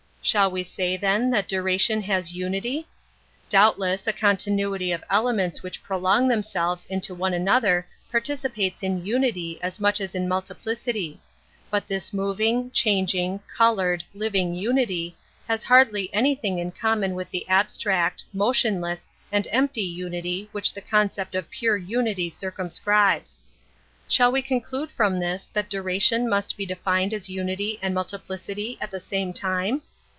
Shall we say, then, that dura Metaphysics 23 tion has unity? Doubtless, a continuity of elements which prolong themselves into one another participates in unity as much as in multiplicity; but this moving, changing, colored, living unity has hardly anything in common with the abstract, motionless, and empty unity which the concept of pure unity circumscribes. Shall we conclude from this that duration must be defined as unity and multiplicity at the same time?